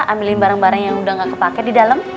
ambilin barang barang yang udah gak kepake di dalam